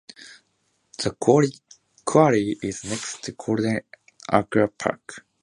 The quarry is next to Golden Acre Park.